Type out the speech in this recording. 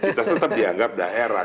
kita tetap dianggap daerah